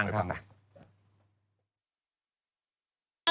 เอาจริงนะคะคือหนูก็ตื่นเข้ามา